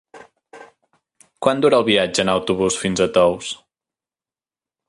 Quant dura el viatge en autobús fins a Tous?